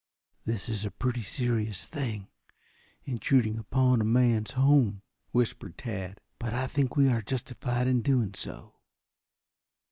"This is a pretty serious thing, intruding upon a man's home," whispered Tad. "But I think we are justified in doing so."